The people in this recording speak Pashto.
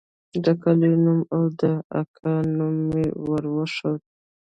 د کلي نوم او د اکا نوم مې هم وروښود.